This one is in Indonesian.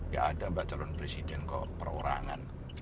ya ada mbak calon presiden ke perorangan